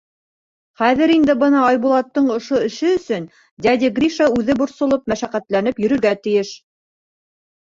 Хәҙер инде бына Айбулаттың ошо эше өсөн дядя Гриша үҙе борсолоп, мәшәҡәтләнеп йөрөргә тейеш.